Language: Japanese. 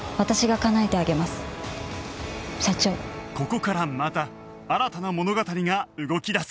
ここからまた新たな物語が動き出す